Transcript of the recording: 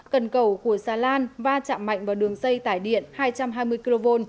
cần cầu của xà lan va chạm mạnh vào đường dây tải điện hai trăm hai mươi kv